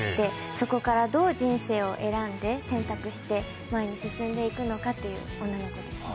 そこからどう人生を選んで、選択して前に進んでいくのかという女の子です。